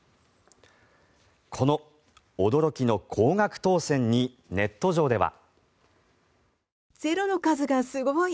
この驚きの高額当選にネット上では。